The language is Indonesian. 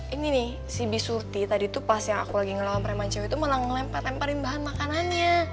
ini nih si b surti tadi tuh pas yang aku lagi ngelawan preman cio itu malah ngelempar lemparin bahan makanannya